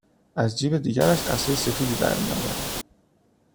از جیب دیگرش عصای سفیدی درمیآورد